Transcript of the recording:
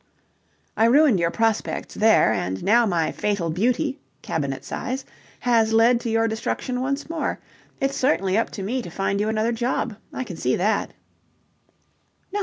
I ruined your prospects there, and now my fatal beauty cabinet size has led to your destruction once more. It's certainly up to me to find you another job, I can see that."